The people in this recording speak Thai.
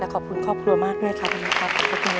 ขอบคุณมากเลยครับ